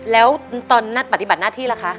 แล้วตอนนัดปฏิบัติหน้าที่ล่ะคะ